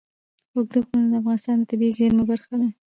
اوږده غرونه د افغانستان د طبیعي زیرمو برخه ده.